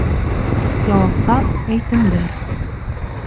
Яуаптар, әйтемдәр